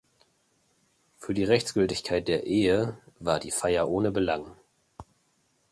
Für die Rechtsgültigkeit der Ehe war die Feier ohne Belang.